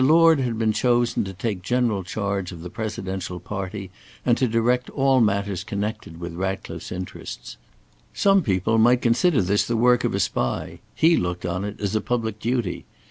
Lord had been chosen to take general charge of the presidential party and to direct all matters connected with Ratcliffe's interests. Some people might consider this the work of a spy; he looked on it as a public duty.